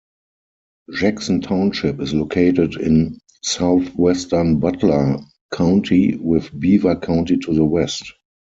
Jackson Township is located in southwestern Butler County, with Beaver County to the west.